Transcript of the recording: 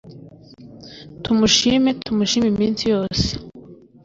Tumushime tumushime iminsi yose